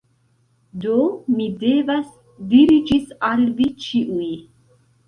Do, mi devas diri ĝis al vi ĉiuj